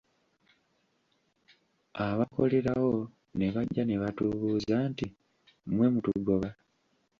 Abakolerawo ne bajja ne batubuuza nti "mmwe mutugoba?"